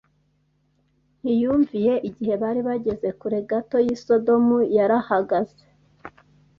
ntiyumviye Igihe bari bageze kure gato y i Sodomu yarahagaze